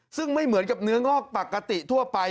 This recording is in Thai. ซึ่งไม่เหมือนกับเนื้องอกปกติทั่วไป